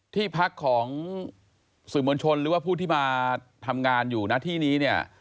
ที่พักของสื่อมวลชนหรือว่าผู้ที่มาทำงานอยู่ณที่นี้เนี่ย